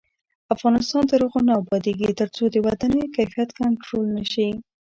افغانستان تر هغو نه ابادیږي، ترڅو د ودانیو کیفیت کنټرول نشي.